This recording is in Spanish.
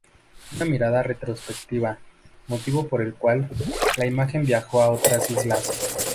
Una mirada retrospectiva"", motivo por el cual, la imagen viajó a otras islas.